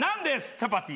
チャパティ。